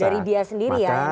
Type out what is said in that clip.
dari dia sendiri ya